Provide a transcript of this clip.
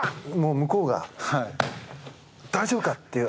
向こうが大丈夫かという。